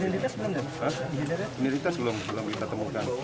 penyelidikan belum belum kita temukan